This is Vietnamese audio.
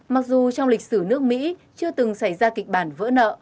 mặc dù trong lịch sử nước mỹ chưa từng xảy ra kịch bản